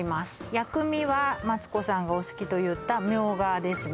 薬味はマツコさんがお好きと言ったみょうがですね